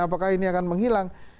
apakah ini akan menghilang